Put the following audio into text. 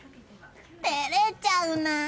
照れちゃうな。